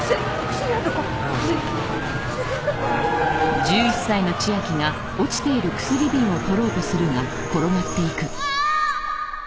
薬！あっ！